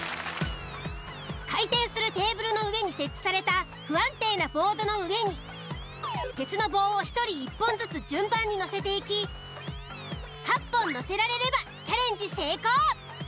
回転するテーブルの上に設置された不安定なボードの上に鉄の棒を１人１本ずつ順番に乗せていき８本乗せられればチャレンジ成功。